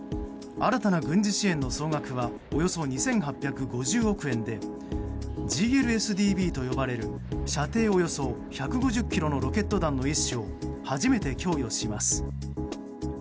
新たな軍事支援の総額はおよそ２８５０億円でＧＬＳＤＢと呼ばれる射程およそ１５０ｋｍのロケット弾の一種を初めて供与します。